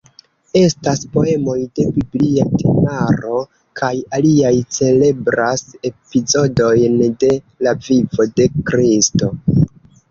Estas poemoj de biblia temaro kaj aliaj celebras epizodojn de la vivo de Kristo.